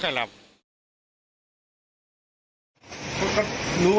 ยิงมาข้างตัว